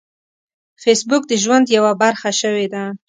فېسبوک د ژوند یوه برخه شوې ده